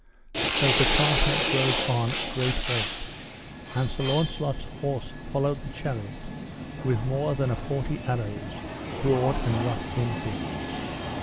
So the carter drove on a great wallop, and Sir Launcelot's horse followed the chariot, with more than a forty arrows broad and rough in him.